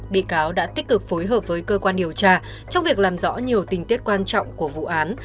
bị cáo đã tích cực phối hợp với cơ quan điều tra trong việc làm rõ nhiều tình tiết quan trọng của vụ án